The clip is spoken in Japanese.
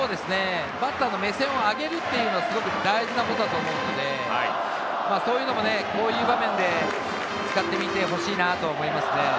バッターの目線を上げることが大事だと思うので、そういうのも、こういう場面で使ってみてほしいなと思いますね。